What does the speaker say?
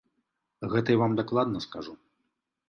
Гэта я вам дакладна скажу.